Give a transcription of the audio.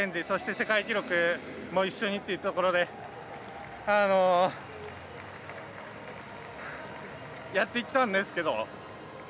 世界記録も一緒にというところでやってきたんですけど。